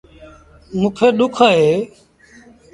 مو کي ڏُک اهي